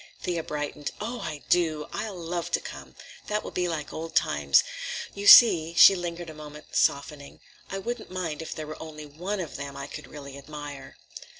Thea brightened. "Oh, I do! I'll love to come; that will be like old times. You see," she lingered a moment, softening, "I wouldn't mind if there were only one of them I could really admire."